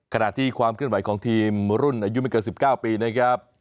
ขณะที่ความเคลื่อนไหวของทีมรุ่นอายุไม่เกิน๑๙ปีนะครับ